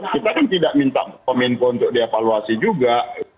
kita kan tidak minta kominku untuk diavaluasi juga